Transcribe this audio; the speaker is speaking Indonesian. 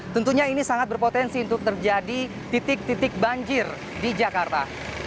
tentunya ini sangat berpotensi untuk terjadi titik titik banjir di jakarta